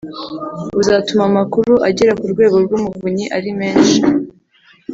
buzatuma amakuru agera ku Rwego rw’Umuvunyi ari menshi